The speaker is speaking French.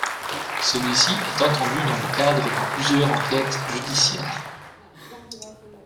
Celui-ci est entendu dans le cadre de plusieurs enquêtes judiciaires.